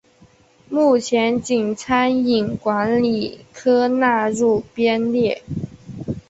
目前仅餐饮管理科纳入编列。